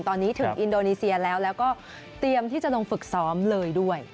ตอนนี้ถึงอินโดนีเซียแล้วแล้วก็เตรียมที่จะลงฝึกซ้อมเลยด้วย